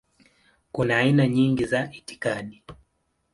Kuna aina nyingi za itikadi.